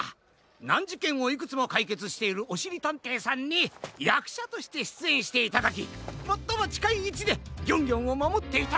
なんじけんをいくつもかいけつしているおしりたんていさんにやくしゃとしてしゅつえんしていただきもっともちかいいちでギョンギョンをまもっていただく！